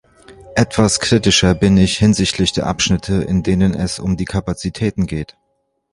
Etwas kritischer bin ich hinsichtlich der Abschnitte, in denen es um die Kapazitäten geht.